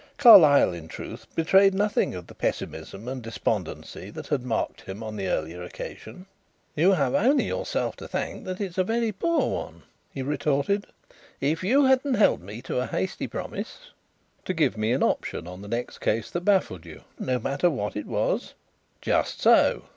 Carlyle, in truth, betrayed nothing of the pessimism and despondency that had marked him on the earlier occasion. "You have only yourself to thank that it is a very poor one," he retorted. "If you hadn't held me to a hasty promise " "To give me an option on the next case that baffled you, no matter what it was " "Just so.